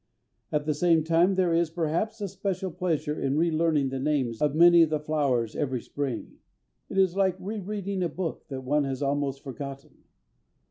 At the same time there is, perhaps, a special pleasure in re learning the names of many of the flowers every spring. It is like re reading a book that one has almost forgotten.